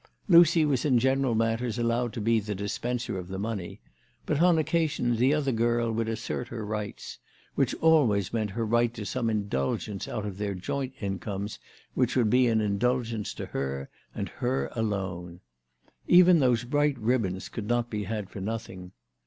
Lucy was in general matters allowed to be the dispenser of the money ; but on occasions the other girl would assert her rights, which always meant her right to some indulgence out of their joint incomes which would be an indulgence to her and her alone. Even those bright ribbons could not be had for nothing.